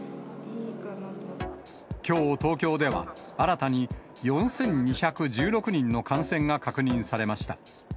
きょう、東京では、新たに４２１６人の感染が確認されました。